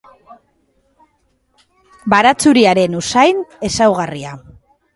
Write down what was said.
Baratxuriaren usain ezaugarria.